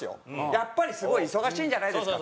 「やっぱりすごい忙しいんじゃないですか」